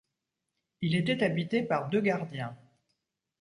Il était habité par deux gardiens.